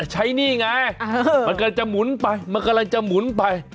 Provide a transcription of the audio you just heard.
หนี้ไงมันกำลังจะหมุนไปมันกำลังจะหมุนไป